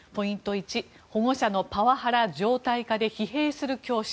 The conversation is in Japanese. １保護者のパワハラ常態化で疲弊する教師。